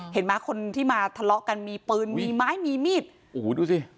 เห็นไหมคนที่มาทะเลาะกันมีปืนมีไม้มีมีดโอ้โหดูสิ